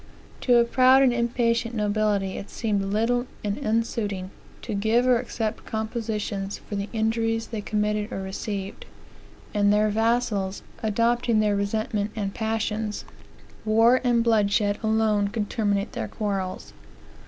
To a proud and impatient nobility it seemed little and unsuiting to give or accept compositions for the injuries they committed or received; and their vassals adopting their resentment and passions, war and bloodshed alone could terminate their quarrels.